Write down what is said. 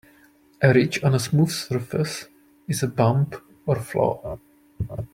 A ridge on a smooth surface is a bump or flaw.